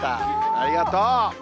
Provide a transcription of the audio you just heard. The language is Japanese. ありがとう。